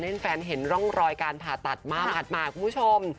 แล้วแฟนเห็นร่องรอยการผ่าตัดมากคุณผู้ชม